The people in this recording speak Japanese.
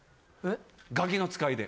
『ガキの使いで』。